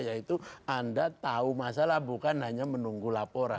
yaitu anda tahu masalah bukan hanya menunggu laporan